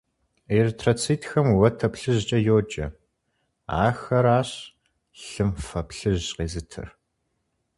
Эритроцитхэм уэтэ плъыжькӏэ йоджэ. Ахэращ лъым фэ плъыжь къезытыр.